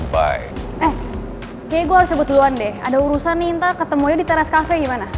eh kayaknya gue harus habis duluan deh ada urusan nih entah ketemu aja di teras cafe gimana